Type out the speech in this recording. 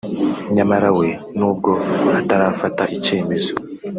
nyamara we n’ubwo atarafata icyemezo